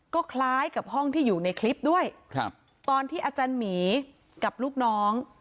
ก็คล้ายกับห้องที่อยู่ในคลิปด้วยครับตอนที่อาจารย์หมีกับลูกน้อง